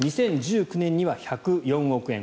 ２０１９年には１０４億円。